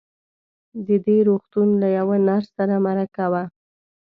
د دې روغتون له يوه نرس سره مرکه وه.